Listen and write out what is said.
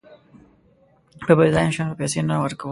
په بېځايه شيانو پيسې نه ورکوم.